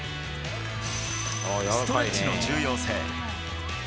ストレッチの重要性。